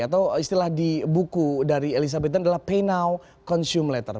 atau istilah di buku dari elizabeth dunn adalah pay now consume later